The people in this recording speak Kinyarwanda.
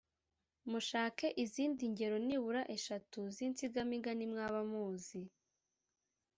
Mushake izindi ngero nibura eshatu z’insigamigani mwaba muzi